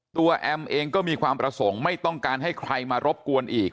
แอมเองก็มีความประสงค์ไม่ต้องการให้ใครมารบกวนอีก